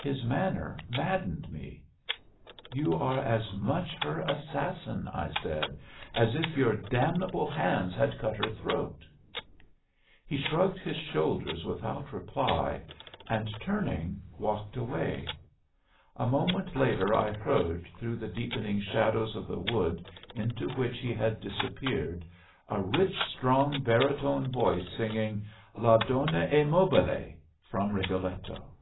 His manner maddened me. "You are as much her assassin," I said, "as if your damnable hands had cut her throat." He shrugged his shoulders without reply and, turning, walked away. A moment later I heard, through the deepening shadows of the wood into which he had disappeared, a rich, strong, baritone voice singing "La donna e mobile," from "Rigoletto."